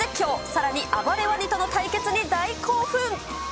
さらに、暴れワニとの対決に大興奮。